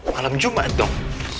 malam jumat dong